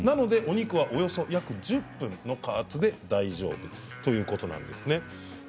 お肉はおよそ１０分の加圧で大丈夫ということなんですね。